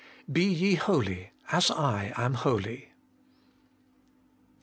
BE TE HOLY, AS I AM HOLY.